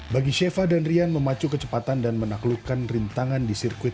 bagi sheva dan rian memacu kecepatan dan menaklukkan rintangan di sirkuit